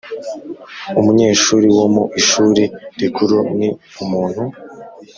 Umunyeshuri wo mu ishuri rikuru ni umuntu